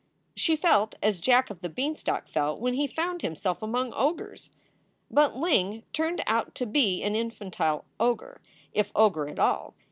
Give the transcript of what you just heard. She felt as Jack of the Beanstalk felt when he found himself among ogres. But Ling turned out to be an infantile ogre, if ogre at all.